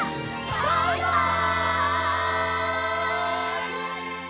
バイバイ！